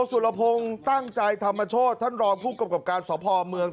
สุรพงศ์ตั้งใจธรรมโชธท่านรองผู้กำกับการสพเมือง